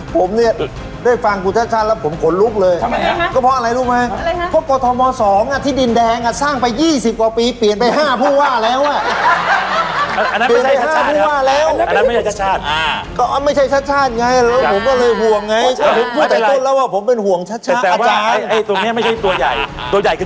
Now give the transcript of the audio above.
ผมเนี่ยด้วยฟังคุณชัดแล้วผมขนลุกเลย